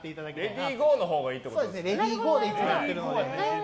レディーゴーでいつもやってるので。